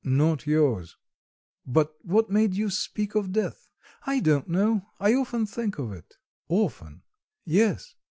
"Not yours.... But what made you speak of death?" "I don't know. I often think of it." "Often?" "Yes."